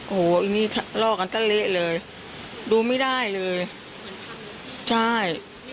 โอ้โหอันนี้ลอกันตั้งเละเลยดูไม่ได้เลย